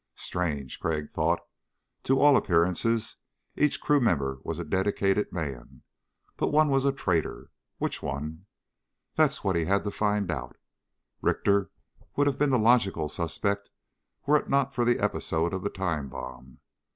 Strange, Crag thought, to all appearances each crew member was a dedicated man. But one was a traitor. Which one? That's what he had to find out. Richter would have been the logical suspect were it not for the episode of the time bomb.